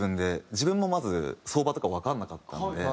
自分もまず相場とかわからなかったので。